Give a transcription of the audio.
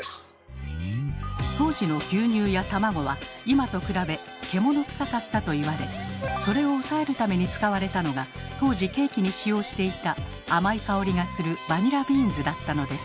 当時の牛乳や卵は今と比べ獣臭かったと言われそれを抑えるために使われたのが当時ケーキに使用していた甘い香りがするバニラビーンズだったのです。